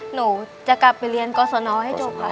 หนูจะกลับไปเรียนคอสโลว์นอลให้จบอะ